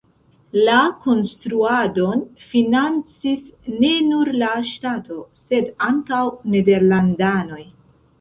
La konstruadon financis ne nur la ŝtato, sed ankaŭ nederlandanoj.